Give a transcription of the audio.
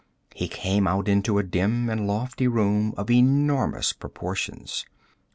He came out into a dim and lofty room of enormous proportions.